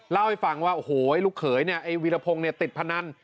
เล่าให้ฟังว่าโอ้โหลูกเขยเนี่ยไอ้วีรพงศ์เนี่ยติดพนัน